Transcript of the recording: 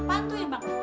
apa tuh ya bang